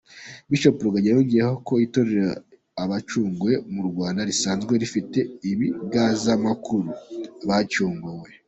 Bishop Rugagi yongeyeho ko Itorero Abacunguwe mu Rwanda risanzwe rifite ibingazamakuru ‘Abacunguwe.